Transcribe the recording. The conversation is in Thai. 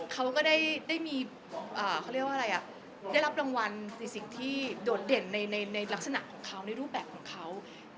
เขาก็ได้รับรางวัลในสิ่งที่โดดเด่นในลักษณะของเขาในรูปแบบของเขา